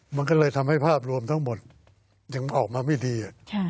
มันก็เลยทำให้ภาพรวมทั้งหมดยังออกมาไม่ดี